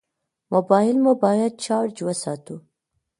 موبایل مو باید چارج وساتو.